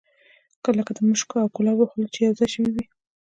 لکه د مشکو او ګلابو خوله چې یو ځای شوې وي.